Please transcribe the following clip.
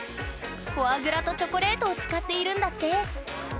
フォアグラとチョコレートを使っているんだって！